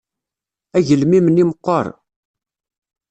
Agelmim-nni meɣɣer.